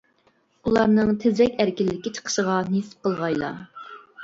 ئۇلارنىڭ تېزرەك ئەركىنلىككە چىقىشىغا نېسىپ قىلغايلا.